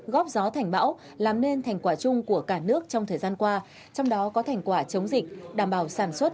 góp gió thành bão làm nên thành quả chung của cả nước trong thời gian qua trong đó có thành quả chống dịch đảm bảo sản xuất